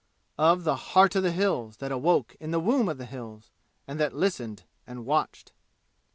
Of the "Heart of the Hills" that awoke in the womb of the "Hills," and that listened and watched.